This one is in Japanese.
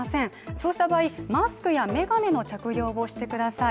そうした場合、マスクや眼鏡の着用をしてください。